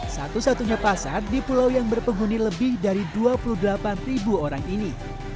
satu satunya pasar di pulau yang berpenghuni lebih dari dua puluh delapan orang ini